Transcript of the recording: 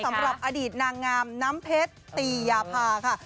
สำหรับอดีตนางงามน้ำเพชรตียาภาค่ะ